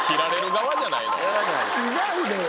違うのよ。